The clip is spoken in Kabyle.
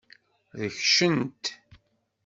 Rekcen-t.